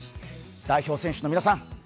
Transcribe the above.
代表選手の皆さん